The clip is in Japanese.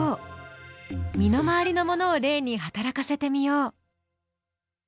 身の回りのものを例に働かせてみよう。